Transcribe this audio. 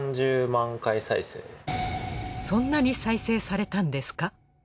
そんなに再生されたんですか？